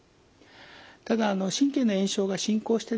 ただ神経の炎症が進行してですね